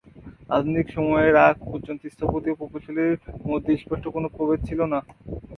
আধুনিক সময়ের আগ পর্যন্ত স্থপতি ও প্রকৌশলী মধ্যে স্পষ্ট কোন প্রভেদ ছিলনা।